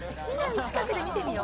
近くで見てみよう。